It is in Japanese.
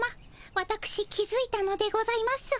わたくし気づいたのでございます。